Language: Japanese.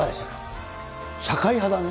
社会派だね。